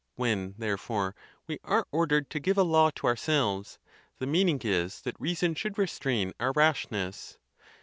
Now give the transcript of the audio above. When, therefore, we are ordered to give a law to ourselves, the meaning is, that reason should restrain our rashness.